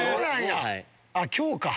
あっ今日か。